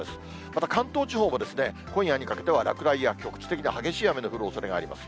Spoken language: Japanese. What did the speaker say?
また、関東地方も今夜にかけては落雷や局地的な激しい雨が降るおそれがあります。